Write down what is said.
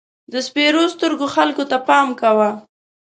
د سپېرو سترګو خلکو ته پام کوه.